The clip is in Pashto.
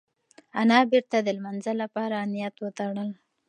انا بېرته د لمانځه لپاره نیت وتړل.